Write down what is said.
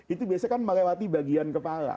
itu biasanya kan melewati bagian kepala